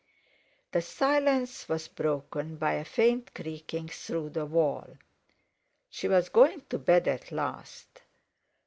The silence was broken by a faint creaking through the wall. She was going to bed at last.